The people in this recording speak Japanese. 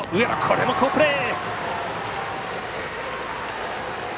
これも好プレー！